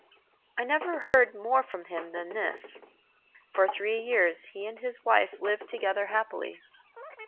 I never heard more from him than this. For three years he and his wife lived together happily.